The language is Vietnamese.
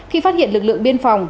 khi phát hiện lực lượng biên phòng